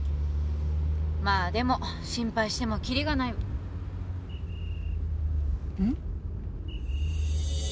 まあでも心配してもきりがないうん？